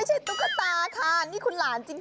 ไม่ใช่ตุ๊กตาฐานนี่คุณหลานจริง